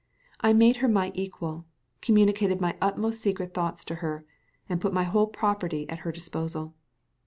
I made her my equal, communicated my most secret thoughts to her, and put my whole property at her disposal.